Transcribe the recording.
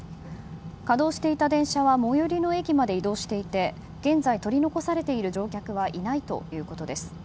稼働していた電車は最寄りの駅まで移動していて現在、取り残されている客はいないということです。